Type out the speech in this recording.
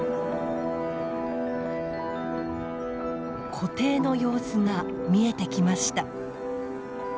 湖底の様子が見えてきました。